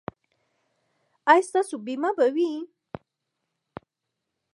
ایا ستاسو بیمه به وي؟